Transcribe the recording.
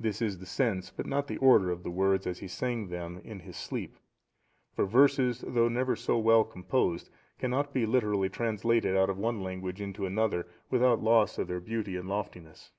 This is the sense but not the order of the words as he sang them in his sleep; for verses, though never so well composed, cannot be literally translated out of one language into another without loss of their beauty and loftiness.